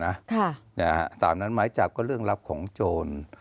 ค่ะนะฮะตามนั้นหมายจับก็เรื่องลับของโจร